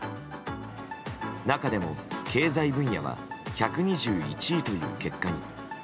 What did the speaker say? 中でも経済分野は１２１位という結果に。